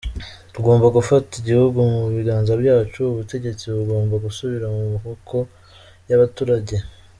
Tugomba gufata igihugu mu biganza byacu, ubutegetsi bugomba gusubira mu maboko y’abaturage.